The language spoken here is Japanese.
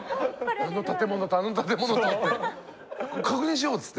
あの建物とあの建物と確認しようっつって。